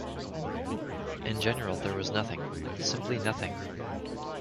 In general there was nothing - simply nothing.